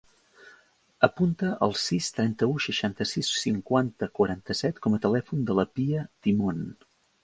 Apunta el sis, trenta-u, seixanta-sis, cinquanta, quaranta-set com a telèfon de la Pia Timon.